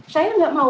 saya enggak mau